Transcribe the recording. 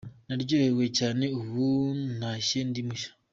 Naryohewe cyane, ubu ntashye ndi mushya.